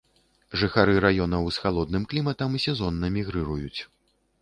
Жыхары раёнаў з халодным кліматам сезонна мігрыруюць.